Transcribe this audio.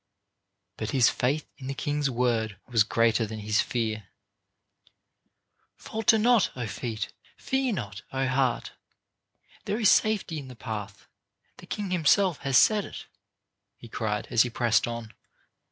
But his faith in the king's word was greater than his fear. "Falter not, oh, feet! Fear not, oh, heart! There is safety in the path. The king himself has said it," he cried as he pressed on.